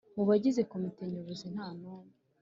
Mu bagize komite nyobozi nta n umwe